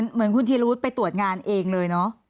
เหมือนคุณธีรวุฒิไปตรวจงานเองเลยเนอะ